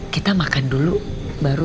kita makan dulu baru